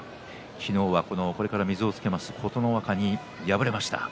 昨日は、これから水をつける琴ノ若に敗れました。